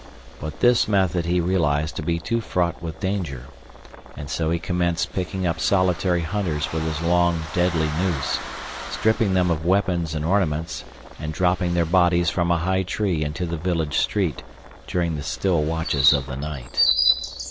But this method he realized to be too fraught with danger, and so he commenced picking up solitary hunters with his long, deadly noose, stripping them of weapons and ornaments and dropping their bodies from a high tree into the village street during the still watches of the night.